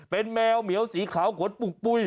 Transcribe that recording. เป็นแมวเหมียวสีขาวขนปลูกปุ้ย